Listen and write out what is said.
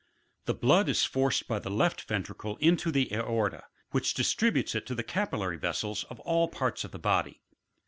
The blood is forced by the left ventricle into the aorta, which dis tributes it to the capillary vessels of all parts of the body.